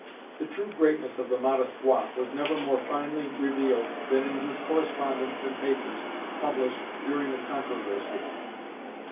The true greatness of the modest Watt was never more finely revealed than in his correspondence and papers published during the controversy.